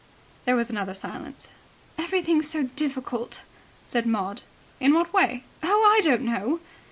There was another silence. "Everything's so difficult," said Maud. "In what way?" "Oh, I don't know."